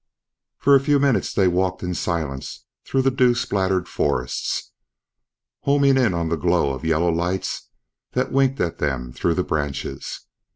For a few minutes they walked in silence through the dew splattered forests, homing in on the glow of yellow lights that winked at them through the branches.